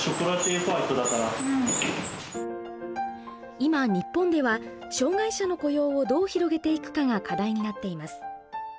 今日本では障害者の雇用をどう広げていくかが課題になっています。